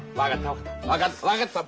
分かった分かった！